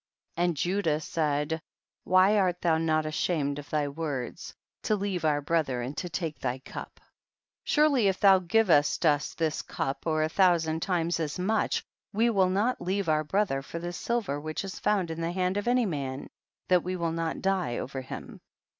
18. And Judah said, why art thou not ashamed of thy words, to leave our brother and to take thy cup? 8urely if thou givest us thy cup, or a thousand times as much, we will not leave our brother for the silver which is found in the hand of any man, that we will not die over him.